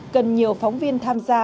cần nhiều phóng viên tham gia